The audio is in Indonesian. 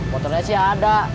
motornya sih ada